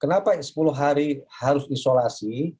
kenapa sepuluh hari harus isolasi